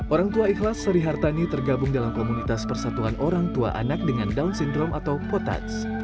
orang tua ikhlas sri hartani tergabung dalam komunitas persatuan orang tua anak dengan down syndrome atau potats